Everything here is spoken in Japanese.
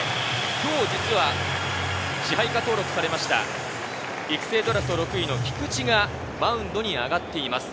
今日、実は支配下登録された育成ドラフト６位の菊地がマウンドに上がっています。